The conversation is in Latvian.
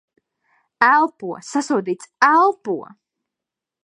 Elpo. Sasodīts. Elpo!